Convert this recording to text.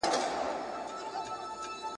شپې تر سهاره یې سجدې کولې ..